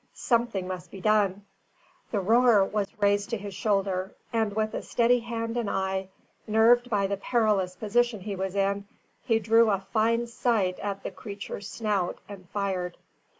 Something must be done. The roer was raised to his shoulder, and with a steady hand and eye, nerved by the perilous position he was in, he drew a fine sight at the creature's snout and fired.